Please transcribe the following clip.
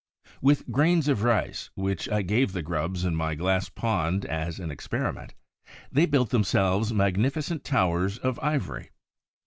With grains of rice, which I gave the grubs in my glass pond as an experiment, they built themselves magnificent towers of ivory.